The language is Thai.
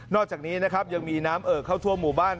อกจากนี้นะครับยังมีน้ำเอ่อเข้าทั่วหมู่บ้าน